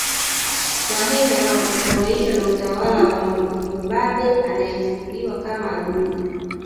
Wahehe hawakufurahishwa na utawala wa Mwamubambe anayechukuliwa kama adui